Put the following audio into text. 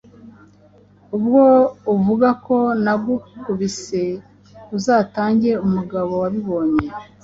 Ubwo uvuga ko nagukubise uzatange umugabo wabibonye.